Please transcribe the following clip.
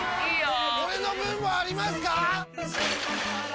俺の分もありますか！？